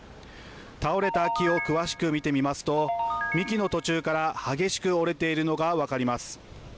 倒れた木を詳しく見てみますと幹の途中から激しく折れているのが分かります。